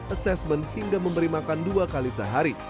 assessment hingga memberi makan dua kali sehari